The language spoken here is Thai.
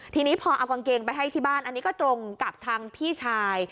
ทีนี้พอเอากางเกงไปให้ที่บ้านอันนี้ก็ตรงกับทางพี่ชาย